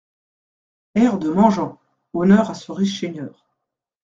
Air de MANGEANT {Honneur à ce riche seigneur .